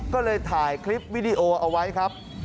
ก็เลยถ่ายคลิปวิดีโอเอาไว้ครับ